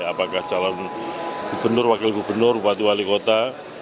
apakah calon gubernur wakil gubernur bupati wali kota